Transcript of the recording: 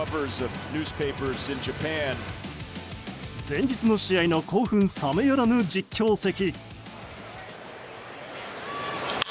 前日の試合の興奮冷めやらぬ実況席。